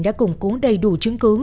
đã củng cú đầy đủ chứng cứu